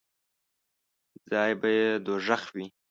ځای به یې دوږخ وي.